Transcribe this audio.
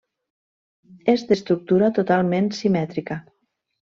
És d'estructura totalment simètrica.